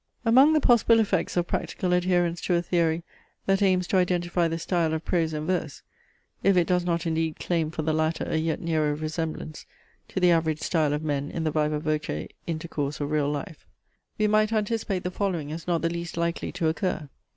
Among the possible effects of practical adherence to a theory, that aims to identify the style of prose and verse, (if it does not indeed claim for the latter a yet nearer resemblance to the average style of men in the viva voce intercourse of real life) we might anticipate the following as not the least likely to occur.